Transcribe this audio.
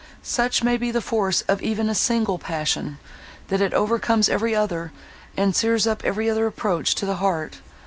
—Such may be the force of even a single passion, that it overcomes every other, and sears up every other approach to the heart.